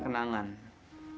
kenangan cinta gua disini